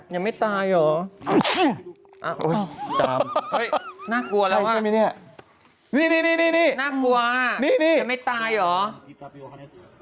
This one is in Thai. ยังไม่ตายเหรอน่ากลัวแล้วนี่น่ากลัวยังไม่ตายเหรอ